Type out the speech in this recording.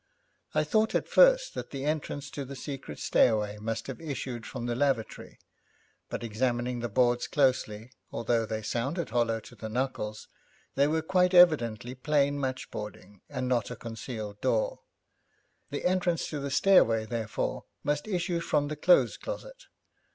I thought at first that the entrance to the secret stairway must have issued from the lavatory, but examining the boards closely, although they sounded hollow to the knuckles, they were quite evidently plain matchboarding, and not a concealed door. The entrance to the stairway, therefore, must issue from the clothes closet.